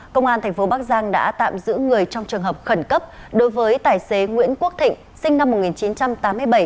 công an thành phố bắc giang đã tạm giữ người trong trường hợp khẩn cấp đối với tài xế nguyễn quốc thịnh sinh năm một nghìn chín trăm tám mươi bảy